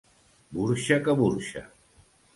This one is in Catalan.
Burxa que burxa.